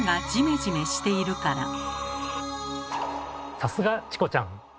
さすがチコちゃん。